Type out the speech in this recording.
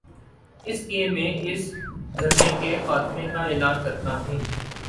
اس لیے میں اس دھرنے کے خاتمے کا اعلان کر تا ہوں۔